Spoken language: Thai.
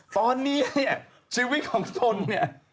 ตอนนี้เนี่ยชีวิตของตนเนี่ย